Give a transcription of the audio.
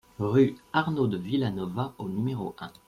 Rue Arnau de Vilanova au numéro un